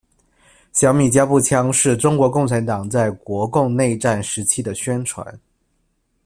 小米加步枪是中国共产党在国共内战时期的宣传。